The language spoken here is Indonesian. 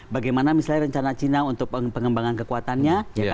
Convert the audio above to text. bagaimana misalnya rencana cina untuk pengembangan kekuatannya